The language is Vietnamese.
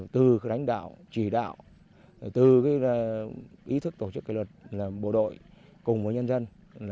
từ đánh đạo chỉ đạo từ ý thức tổ chức kỳ luật bộ đội cùng với nhân dân